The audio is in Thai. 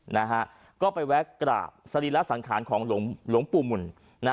นะคะก็ไปแวะกราบสรีระสังขารของหลวงปู่หมุน